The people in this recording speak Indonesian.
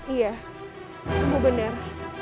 iya kamu bener